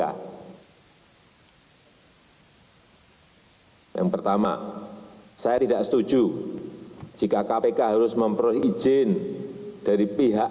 hai yang pertama saya tidak setuju jika kpk harus memperoleh izin dari pihak